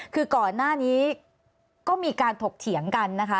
คือก่อนหน้านี้ก็มีการถกเถียงกันนะคะ